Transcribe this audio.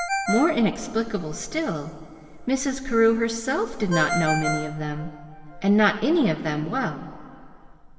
More inexplicable still, Mrs. Carew herself did not know many of them, and not any of them well.